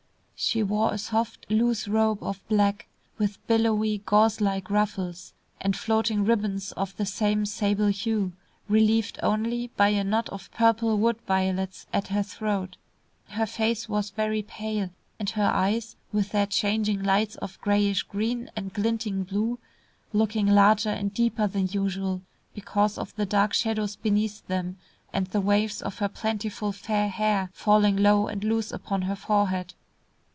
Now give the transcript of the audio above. She wore a soft, loose robe of black, with billowy gauze like ruffles, and floating ribbons of the same sable hue, relieved only by a knot of purple wood violets at her throat. Her face was very pale and her eyes, with their changing lights of greyish green and glinting blue, looking larger and deeper than usual because of the dark shadows beneath them, and the waves of her plentiful fair hair falling low and loose upon her forehead.